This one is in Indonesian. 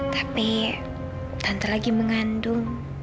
tapi tante lagi mengandung